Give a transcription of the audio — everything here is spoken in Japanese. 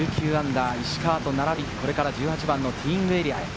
石川と並び、これから１８番のティーイングエリアへ。